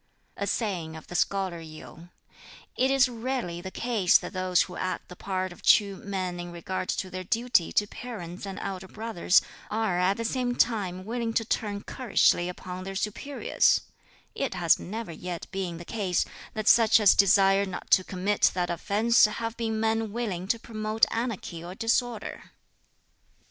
A saying of the Scholar Yu: "It is rarely the case that those who act the part of true men in regard to their duty to parents and elder brothers are at the same time willing to turn currishly upon their superiors: it has never yet been the case that such as desire not to commit that offence have been men willing to promote anarchy or disorder.